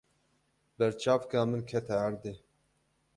Berçavka min kete erdê.